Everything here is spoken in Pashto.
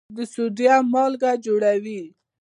د سوډیم مالګه جوړوي.